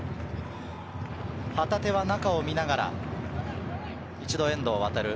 旗手は中を見ながら、一度、遠藤航。